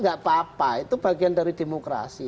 gak apa apa itu bagian dari demokrasi